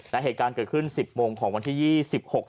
และเหตุการณ์เกิดขึ้น๑๐โมงของวันที่๒๖สิงหาคม